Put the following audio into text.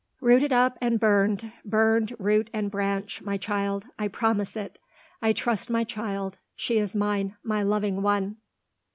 "Rooted up and burned burned root and branch, my child. I promise it. I trust my child; she is mine; my loving one.